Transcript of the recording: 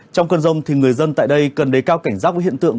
trong cơn rông thì người dân tại đây cần đề cao cảnh giác với hiện tượng